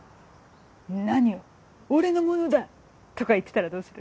「何を俺のものだ」とか言ってたらどうする？